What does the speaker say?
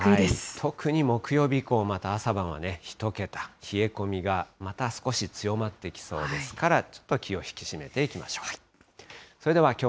特に木曜日以降、また朝晩は１桁、冷え込みがまた少し強まってきそうですから、ちょっと気を引き締めていきましょう。